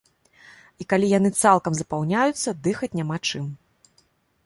І калі яны цалкам запаўняюцца, дыхаць няма чым.